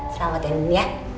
selamat ya nenek